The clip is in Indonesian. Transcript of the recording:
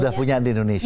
sudah punya di indonesia